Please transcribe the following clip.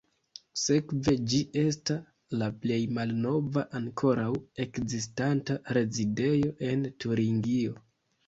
Sekve ĝi esta la plej malnova ankoraŭ ekzistanta rezidejo en Turingio.